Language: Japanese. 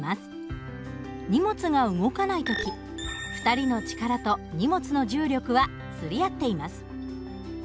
荷物が動かない時２人の力と荷物の重力はつり合っています。